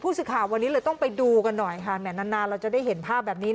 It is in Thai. สื่อข่าววันนี้เลยต้องไปดูกันหน่อยค่ะนานนานเราจะได้เห็นภาพแบบนี้